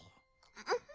ウフフフ。